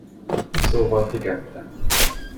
Szóval ti ketten.